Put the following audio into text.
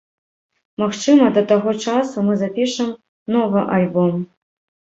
Магчыма, да таго часу мы запішам новы альбом.